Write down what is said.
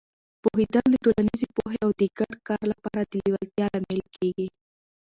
پوهېدل د ټولنیزې پوهې او د ګډ کار لپاره د لیوالتیا لامل کېږي.